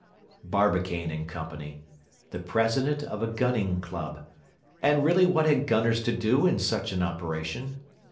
Barbicane & Co. The president of a gunning club. And really what had gunners to do in such an operation?